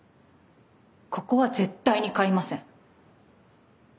ここは絶対に買いません。